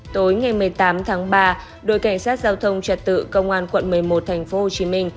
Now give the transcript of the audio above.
tối ngày một mươi tám tháng ba đội cảnh sát giao thông trật tự công an quận một mươi một tp hcm